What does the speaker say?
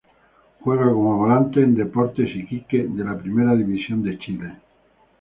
Juega como volante en Deportes Iquique de la Primera División de Chile.